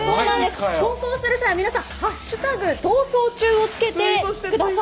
投稿する際は、皆さん「＃逃走中」をつけてください。